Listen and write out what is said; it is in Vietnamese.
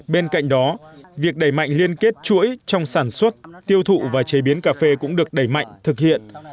bên cạnh đó việc đẩy mạnh liên kết chuỗi trong sản xuất tiêu thụ và chế biến cà phê cũng được đẩy mạnh thực hiện